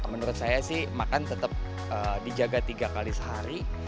menurut saya sih makan tetap dijaga tiga kali sehari